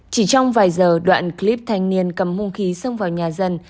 chỉ trong vài giờ đoạn clip thanh niên cầm hung khí xông vào nhà dân